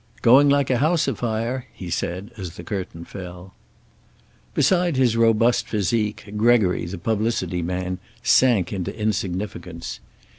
"Going like a house afire," he said, as the curtain fell. Beside his robust physique, Gregory, the publicity man, sank into insignificance.